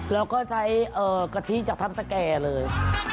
แล้วก็ใช้กะทิจากทัพสแก่เลย